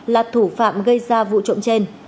là thủ phạm gây ra vụ trộm trên